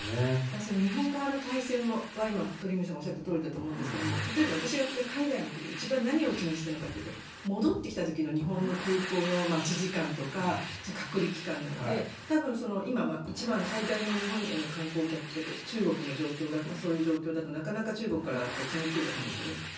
日本側の体制は今、鳥海さんがおっしゃったとおりだと思うんですが私が海外に行く時に一番何を気にしたかというと戻ってきた時の日本の待ち時間とか隔離期間なので今、一番最大の日本に観光客が来た時は中国の状況でそういう状況だとなかなか中国からは来にくいわけですよね。